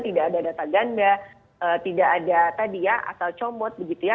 tidak ada data ganda tidak ada tadi ya asal comot begitu ya